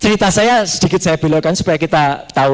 cerita saya sedikit saya belokkan supaya kita bisa lihat lagi ya